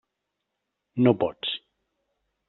No pots.